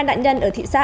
hai đạn nhân ở thị xã an